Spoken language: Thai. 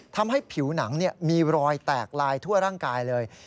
ทำให้ผิวหนังมีรอยแตกลายทั่วร่างกายเลย